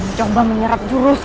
aku mau coba menyeret jurusku